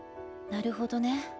なるほどね。